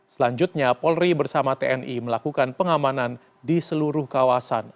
selanjutnya polri bersama tni melakukan pengamanan di seluruh kawasan